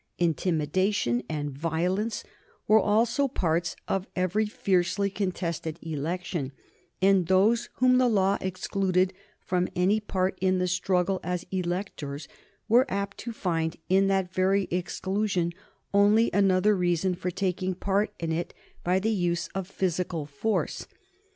Intimidation and violence were also parts of every fiercely contested election, and those whom the law excluded from any part in the struggle as electors were apt to find, in that very exclusion, only another reason for taking part in it by the use of physical force.